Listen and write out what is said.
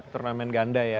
turnamen ganda ya